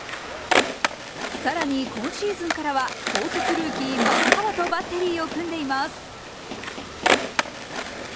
さらに今シーズンからは高卒ルーキー松川とバッテリーを組んでいます。